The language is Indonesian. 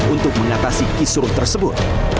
untuk mengatasi kisruh tersebut